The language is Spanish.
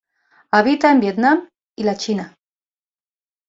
Habita en Vietnam y la China.